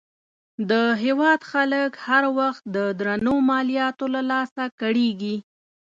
د هېواد خلک هر وخت د درنو مالیاتو له لاسه کړېږي.